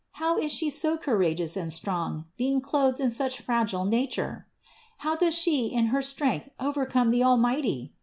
How is She so courageous and strong, being clothed in such fragile nature? How does She in her strength overcome the Almighty?